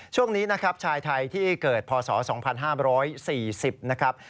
ช่วงนี้นะครับชายไทยที่เกิดพศ๒๕๔๐นะครับ